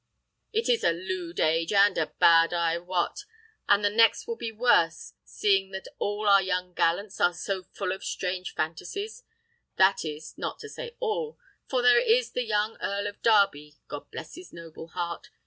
"It is a lewd age and a bad, I wot, and the next will be a worse, seeing that all our young gallants are so full of strange phantasies; that is, not to say all, for there is the young Earl of Derby, God bless his noble heart!